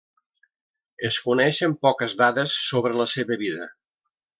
Es coneixen poques dades sobre la seva vida.